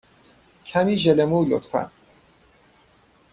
کمی ژل مو، لطفا.